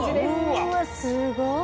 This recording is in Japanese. うわっすごい！